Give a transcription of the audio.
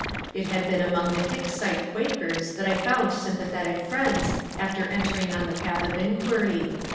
It had been among the Hicksite Qua kers that I found sympathetic friends, after entering on the path of inquiry.